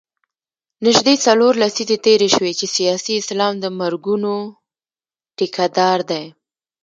نژدې څلور لسیزې تېرې شوې چې سیاسي اسلام د مرګونو ټیکه دار دی.